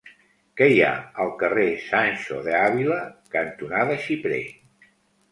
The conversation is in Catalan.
Què hi ha al carrer Sancho de Ávila cantonada Xiprer?